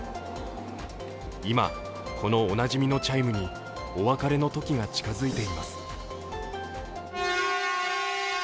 今、このおなじみのチャイムにお別れの時が近づいています。